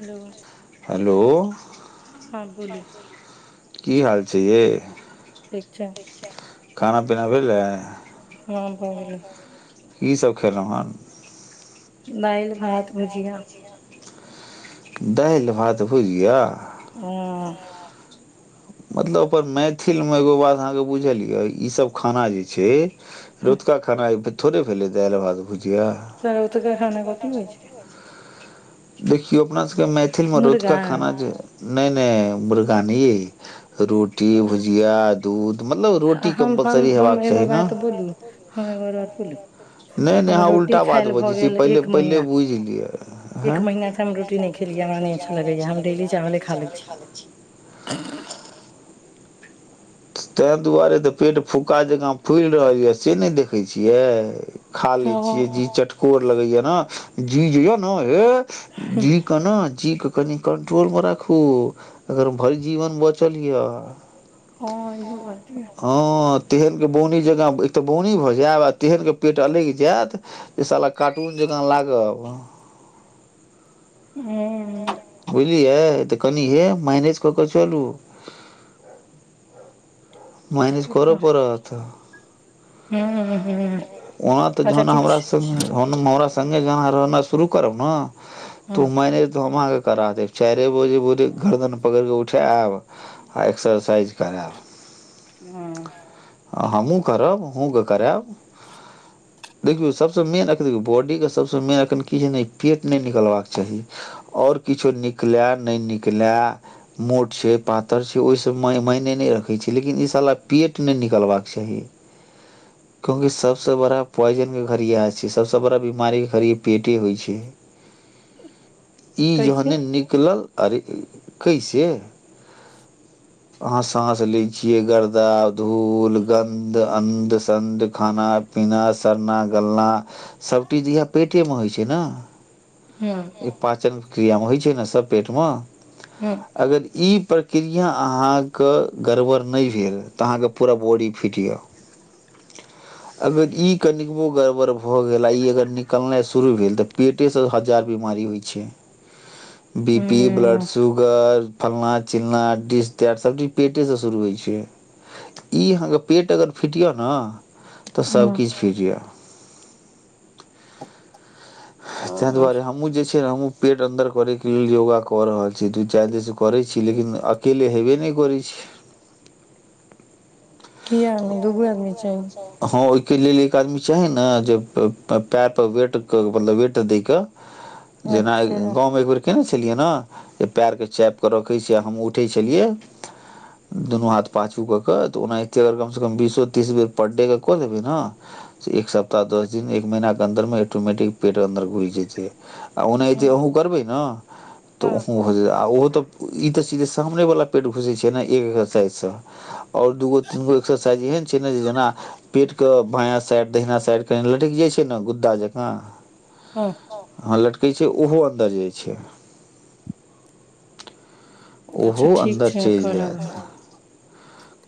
Hello hello की हाल जेे खाना पीना भेलै हँ भबलै इसभ खयलहुँ हन दालि भात भुजिया दल भात भुल ह मतलब अपन मैथिल मे एगो बात अहाँके बुझल ये ई सब खाना जे छै रुद का खाना ह थड़े फेैल भाद बुझिया देखियौ अपना मैथिल मे रोद का खाना जे है नहि नहि मुर्गा नहि रोटी भुजिया दूध आ हम हम एगो बात बोलू हम एगो बात बोलू हम रोटी खाय लए भऽ गेल एक महीना एक महीनासँ हम रोटी नहि खेलियै हमरा नहि अच्छा लगैए हम डेली चावले खा लै छी ताहि दुआरे तऽ पेट फुका जँकाँ फुलि रहल यए से नहि देखैत छियै खा लैत छियै जी चटकोर लगैए ने जी ज यौ ने ह जी कोना चीजके कनि कन्ट्रोलमे राखू अगर भरि जीवन बचल यऽ ओ हँ तेहने बौनी जकाँ एक तऽ बौनी भऽ जायब आ तेहने पेट अलगि जायत जाहि साल कार्टून जकाँ लागब ह तऽ कनि हे मनेज कऽ क चलू मानस कर पड़तऽ हू ओना तऽ जन हमरारा सग गान रहना शुरू करब ने तऽम नहि तमा करा देब चारि बजे बोे गरदन पकड़ कऽ उठायब आ एक्सरसाइज करायब आ हमहूँ करब अहूँके करायब देखियौ सभसँ मेनखन देख बॉडीके सभसँ मेन एखन की छै नहि पेट नहि निकलबाक चाही आओर किछो निकलय नहि निकलय मोट छै पातर छै ओहिसभमे मायने नहि रखैत छै लेकिन ई सारा पेट नहि निकलबाक चाही क्योकि सबसँ बड़ा पोइजनके घड़ी इएह छै सबसँ बड़ा बीमारीके घड़ी पेटे होइ छै ई जहने निकलल अरे कैसे अहाँ सााँस ले छियै गर्दा धूल गन्ध अ खाना पीना सरना गलना सब चीज इह पेटे मे होइ छै ने ई पाचल क्रिया मे होइ छै ने सब पेट मे अगर ई [unintelligible] पूरा बॉडी फिट यऽ अगर ई कनबो गड़बड़ भऽ गेल आ ई अगर निकलनाइ शुरू भेल तऽ पेटेसँ जार बीमारी होइ छै बी पी ब्लड शुगर फलना चिलला डिश तार सब चीज पेटेसँ शुरू होइ छै ई अहाँके पेट अगर फिटि यऽ ने तऽ सभकिछु फिट य त दुआरे हम जे हमूँ पेट अन्दर करे के लेल योगा कऽ रहल छी त चार दस करै छी लेकिन अकेले हेबे नहि करै छी कए आदी दूगो आदमी चाही के लेल एक आदमी चाही ने जे पैर पर वेट मतलब वेट दय के जेना गमे एक केने छलियै ने जे पैर के चाप के रखे छ हम उठे छलियै दुनू हाथ पाछू क के तऽ ओना अगर कम से कम बीसो तीस बेर पर डे के कऽ देेबे ने एक सप्ताह दस दिन एक महीना के अन्दर मे ऑटोमटिक पेट अन्दर घुसि जेते आ ओनाहिते अहु करबै ने तऽ जेतै ओ ती सामने वाला पेट घुसे छै ने एकज और दगो तीनगो एक्सरसाइज एहन छै ने जेना पेटके भाया साइड दहना साइड कनि लटकि जाइ छै ने गुद्दा जकाँ ह लटक कह छै ओहो अन्दर जाइ छै ओहो अन्दर चलि जायत ह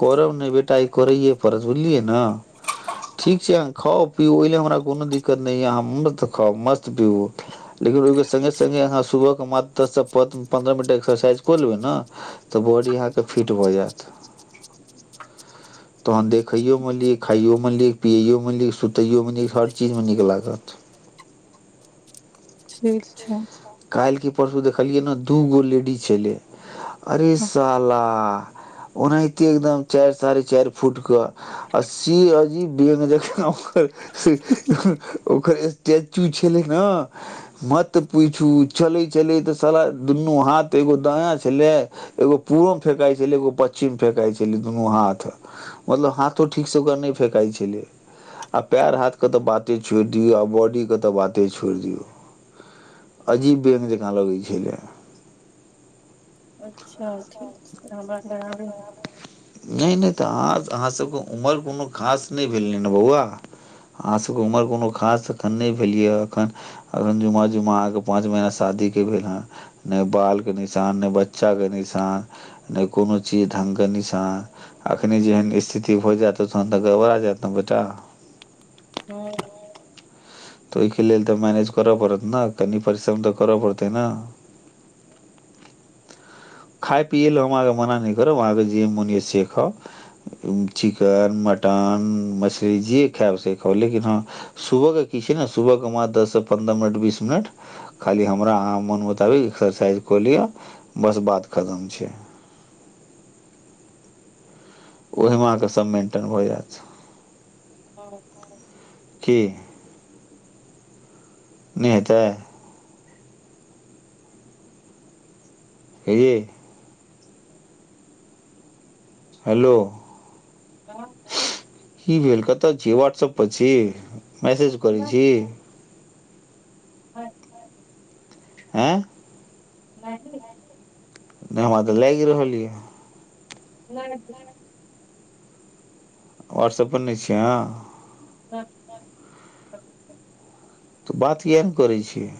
कौरव ने बेटा िन ब तहन देखैयोमे लिक खाइयोमे लिक पियैयोमे लिक सुतैयोमे लिक हर चीजमे नीक लागत ठीक छै काल्हिके परसू देखलियै ने दू गो लेडीज छलै अरिसाला ओनाहिते एकदम चारि साढ़े चारि फुट के आ सी अजी व ओकर टैचू छलै ने मत त पूछ किछ चलैत छलै तऽ स दुनू हाथ एगो दायाँ छलै एगो पूवमे फेकाइत छलै एगो पश्चछिम फेकइत छलै दुनू हाथ मतलब हाथो ठीकसँ ओकरा नहि फेकइत छलै आ पएर हाथके तऽ बाते छोड़ि दियौ आ बॉडीके तऽ बाते छोड़ि दियौ अजीब बेंग जकाँ लगैत छलै अच्छा ठीक छै हमब आर आबै नहि नहि तऽ अहाँ सबके उमर कोनो खास नहि भेले बौआ अहाँ सबके उमर कोनो खास अखन नहि भेलियै अखन अखन जुमा्म जुमा्म अहके पाँच महीना शादी के भेल हे नहि बाल के निशान नहि बच्चा के निशान नहि कोनो चीज ढंग के निशान अखनी जेहन स्थिति हो जायत तन तऽ गबड़ा जायत ने बेटा ह तऽ ओहिके लेल तऽ मैनेज करय पड़त ने कनि परिश्रम तऽ करय पड़तै ने खाय पियै लेल हम अहाँके मना नहि करब अहाँके जे मोन यए खाउ चिकेन मटन मछली जे खायब से खाउ लेकिन हँ सुबहके की छै ने सुबहकेाँ दससँ पन्द्रह मिनट बीस मिनट खाली हमरा अाँ मोन मुताबिक एक्सरसाइज कऽ लिअ बस बात कदम छै ओहि मे अहके सब मेंटेन भ जायत [inaudible] ह की नहि हेतै ह हेलो ही भेलेलकत छी वाट्सप पी मैसेज कर छी ह आँ नहिी नहि हमरा तऽ लगि रहल यै हनक वाट्सअप पर न छिय हँ तऽ बात किएक नहि करै छियै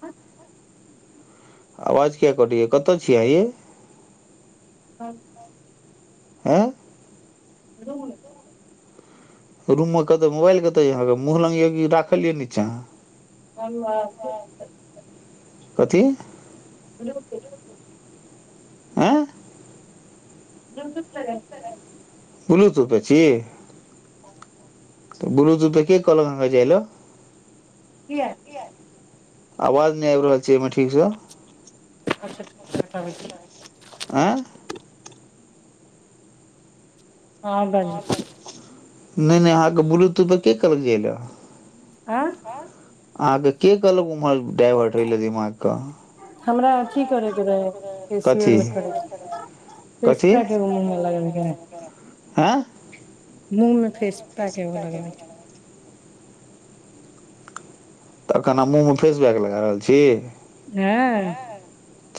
आ आवाज किया करैै कतय छीिय अये ब आँ एदो उ रूम मे कतै मोबाइल कत यहाँके मँह लग यो राखलियै नीच अहाँ ओ कथी नूप आँ नजत करै ब्लूटूपे छी तऽ बलूटूथ पर के कहलक जाइल कए आवाज नहि आयब रहल अच्छा ठीक छैय [unintelligible] अर बाजू। नहि नहि अहाँकेँ ब्लूटूथप के कहलक ए? आँ अहाँके के कहलब उम्हर डाइवर्ट होय ल दिमागके। हमरा अथी [unintelligible] हां मुँह मे फेस पैक एगो लगबा छैय। तखन हम मुँहमे फेसपैग लगा रहल छी? हँ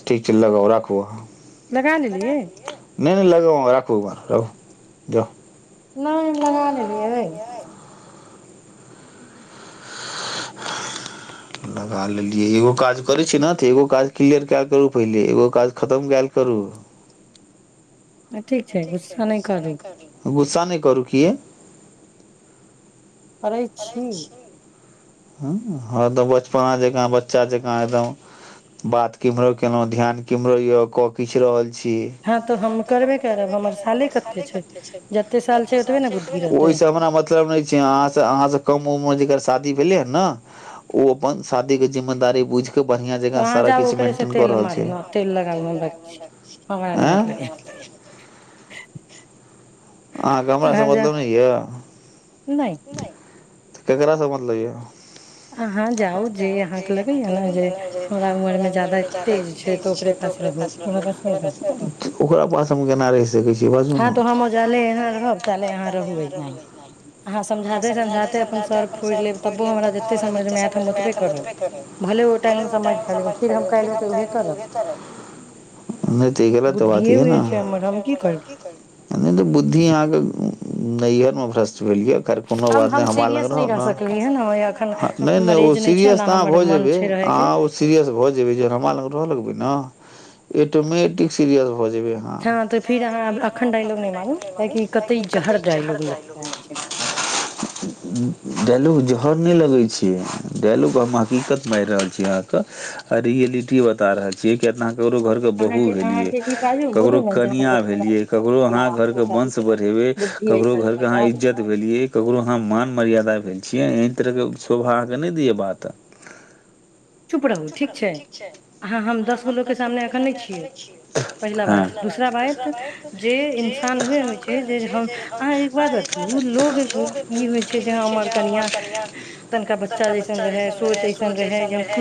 ठीक छैय लगाउ राखु आह्नान। लगा लेलियए नहि नहि लगाव राखू राखू जाउ। नहि लगा लेलीयई। लगा लेलियै एगो काज करै छीयै ने तऽ एगो काज क्लियर कयल करू पहिले एगो काज खतम कयल करू। ठीक छैय गुस्सा नहि करू। गुस्सा नहि करू किए? करै छी। ह हँ त बचपना जकाँ बच्चा जकाँ एकदम बात केम्हरो केलहु ध्यान केम्हरो य क किछ रहल छी। छी ओय स हमरा मतलब नहि छैय, आँहां कम उमरमें जेकर शादी भेलय हां ने उ अपन शादीके जिम्मेदारी बुझ तऽ अहाँ जाउ ओकरेसँ तेल मारू ह तेल लगाब हम राखय छी हमरा नहि मतलब या। आँहांक हमरा से मतलब नहि यऽ? तऽ केकराासँ मतलब य? अहाँ जाउ जे अहाँके लगैय ने जे हमरा उमर मे जादा तेज छैय त ओकरे पास रहु हमरा पास नहि रहु, हँ त हम जाले एहीना रहब ताले अहाँ रहु एहिनाही। समझाते समझाते अपन सर फोरि लेब तबो हमरा नहि ई त गलत बात या न नई बुद्धि आँहाँके नैहर मे भ्रष्ट भेल य। कोनो बात नहि हमरा लग रहब ने नहि नहि ओ सीरियस तऽ अहाँ भऽ जेबै अहाँ ओ सीरियस भऽ जेबै ज हमरा लग रहय लगबै ने [unintelligible] हँ तऽ फिर अहाँ अखन डाायलॉग नहि मानू कियकि कते जहर डाायलॉग लगताै डायलॉग जहर नहि लगे छै डायलॉग हम हकीकत मारि रहल छीै अहाँके आ रियलिटी बता रहल छीयै केतना ककरो घरके बहू भेलियै ककरो कनिआ भेलियै ककरो अहाँ घरके वंश बढ़ेबै ककरो घरके अहाँ इज्जत भेलियै ककरो अहाँ मान मर्यादा भेल छियै एहन तरह के शोभाके नहि दिय बात ठीक अ हम दस गो ल के सामनेख छियै बात दोसरा बात जे इ साम होइ छै जे हो छै कनआ तना बच्चा जसन रहै सोच सन रहै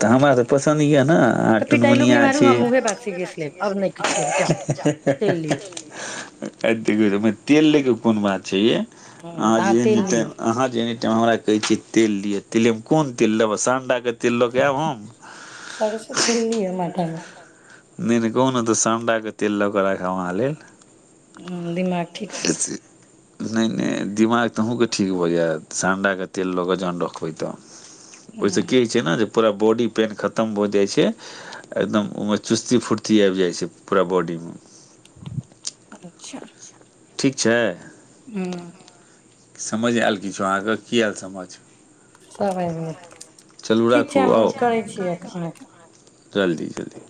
तऽ हमरा तऽ पसन्द यऽ ने आ टुनमुनिया छी तेल लेके कोन बात छ अहाँ ज अहाँ जे त हमरा कहै छै तेल दिअ तेलमे कोन तेल लेब सड सरसू ली ह मथामे नहि नहि कहू ने तऽ संडा क तेल लका खा आलल दिमाग ठीक रहत नहि नहि दिमाग त अहहुँके ठीक भऽ जायत साडाके तेल लऽ कऽ जहन रखबै तऽ ओहिसँ की होइ छै ने जे पूरा बॉडी पेन खतम भऽ जाइ छै एकदम ओहिमे चुस्ती फूर्ती आबि जाइ छै पूरा बॉडीमे अच्छा ठीक छै हू समझ आयल किछो अहाँकेँ की आयल समझ चलुड़ा खु आउ जल्दी जल्दी